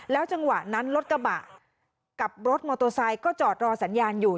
จังหวะนั้นรถกระบะกับรถมอเตอร์ไซค์ก็จอดรอสัญญาณอยู่